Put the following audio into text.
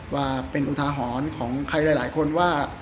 ว่าเป็นอุทาหรณ์ของใครหลายคนว่า